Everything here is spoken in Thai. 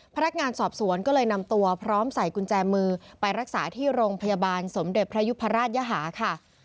พนักงานสอบสวนก็เลยนำตัวพร้อมใส่กุญแจมือไปรักษาที่โรงพยาบาลสมเด็จพระยุพราชยหาค่ะ